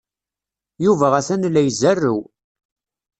Yuba atan la izerrew.